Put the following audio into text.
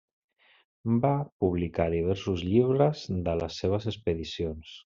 Va publicar diversos llibres de les seves expedicions.